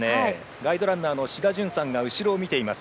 ガイドランナーの志田さんが後ろを見ています。